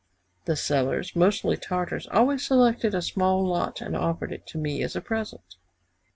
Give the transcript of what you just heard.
The sellers, mostly Tartars, always selected a small lot and offered it to me as a present.